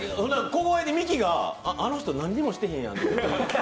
小声でミキがあの人何にもしてへんやんて。